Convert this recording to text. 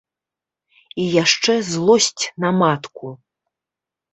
І яшчэ злосць на матку.